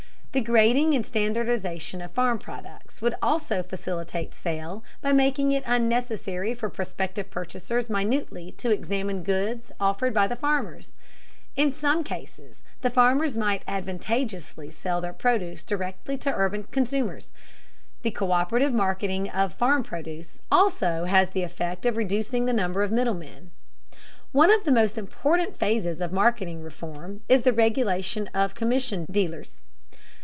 The grading and standardization of farm products would also facilitate sale by making it unnecessary for prospective purchasers minutely to examine goods offered by the farmers. In some cases farmers might advantageously sell their produce directly to urban consumers. The co÷perative marketing of farm produce, also has the effect of reducing the number of middlemen. [Footnote: See Chapter XII, Section 116.] One of the most important phases of marketing reform is the regulation of commission dealers.